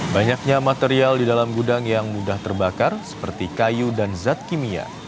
banyaknya material di dalam gudang yang mudah terbakar seperti kayu dan zat kimia